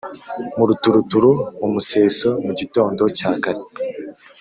mu ruturuturu: mu museso, mu gitondo cya kare.